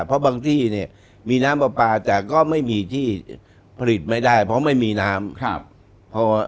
เพราะบางที่เนี่ยมีน้ำปลาปลาแต่ก็ไม่มีที่ผลิตไม่ได้เพราะไม่มีน้ำ